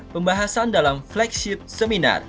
pembahasan dalam flagship seminar